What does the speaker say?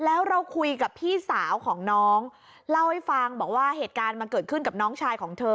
แล้วเราคุยกับพี่สาวของน้องเล่าให้ฟังบอกว่าเหตุการณ์มันเกิดขึ้นกับน้องชายของเธอ